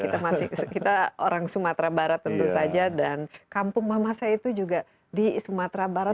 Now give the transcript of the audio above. kita masih kita orang sumatera barat tentu saja dan kampung mama saya itu juga di sumatera barat